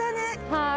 はい。